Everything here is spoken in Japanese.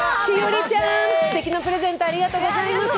栞里ちゃん、すてきなプレゼントありがとうございます！